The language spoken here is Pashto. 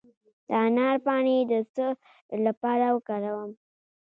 د انار پاڼې د څه لپاره وکاروم؟